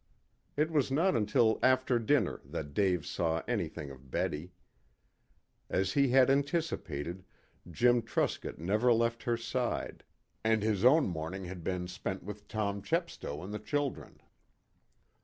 It was not until after dinner that Dave saw anything of Betty. As he had anticipated, Jim Truscott never left her side, and his own morning had been spent with Tom Chepstow and the children.